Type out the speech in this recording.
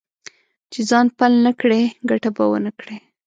چې ځان پل نه کړې؛ ګټه به و نه کړې.